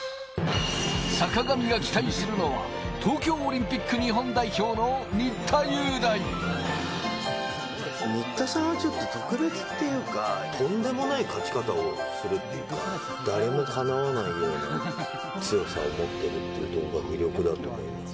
坂上が期待するのは、東京オ新田さんはちょっと特別っていうか、とんでもない勝ち方をするっていうか、誰もかなわないような強さを持ってるというのが魅力だと思います。